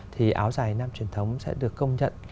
thì áo dài nam truyền thống sẽ được công nhận